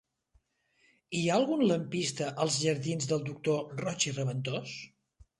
Hi ha algun lampista als jardins del Doctor Roig i Raventós?